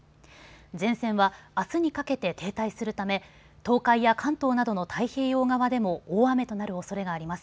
前線は、あすにかけて停滞するため東海や関東などの太平洋側でも大雨となるおそれがあります。